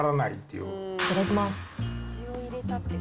いただきます。